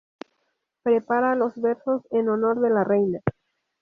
Prepara los versos en honor de la reina.